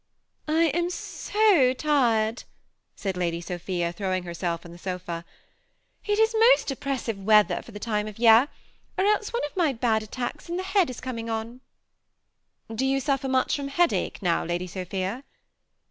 *< I am so tired !" said Lady Sophia, throwing her* self on the sofa ; '4t is most oppressive weather for the time of year, or else one of my bad attacks in the head is coming on." THE SEMI ATTAGHED CX)nPLE. 248 ^Do jou suffer much from headache now, Lady Sophia